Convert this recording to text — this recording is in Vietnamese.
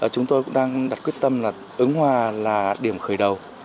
chúng tôi cũng đang đặt quyết tâm là ứng hòa là điểm khởi đầu